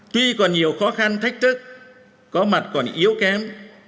tuy còn nhiều khó khăn thách thức có mặt còn yếu kém